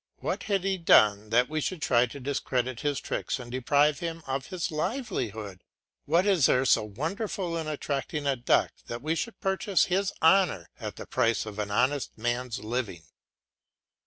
What had he done that we should try to discredit his tricks and deprive him of his livelihood? What is there so wonderful in attracting a duck that we should purchase this honour at the price of an honest man's living?